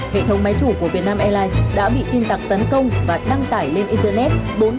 hệ thống máy chủ của việt nam airlines đã bị tin tặc tấn công và đăng tải lên internet